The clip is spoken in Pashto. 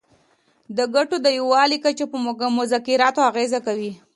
د ګټو د یووالي کچه په مذاکراتو اغیزه کوي